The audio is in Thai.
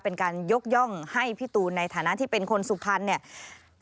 เป็นการยกย่องให้พี่ตูนในฐานะที่เป็นคนสุพรรณเนี่ย